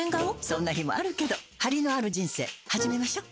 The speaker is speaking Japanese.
そんな日もあるけどハリのある人生始めましょ。